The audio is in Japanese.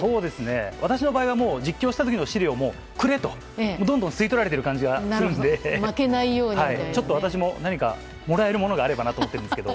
私の場合は実況した時の資料をくれとどんどん吸い取られている感じがするので私ももらえるものがあればなと思うんですが。